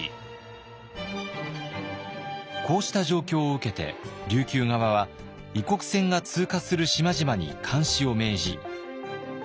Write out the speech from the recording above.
こうした状況を受けて琉球側は異国船が通過する島々に監視を命じ。